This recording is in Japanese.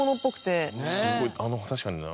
すごい確かにな。